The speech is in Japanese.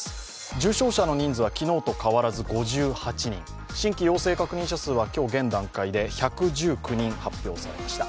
重症者の人数は昨日と変わらず５８人、新規陽性確認者数は今日現段階で１１９人、発表されました。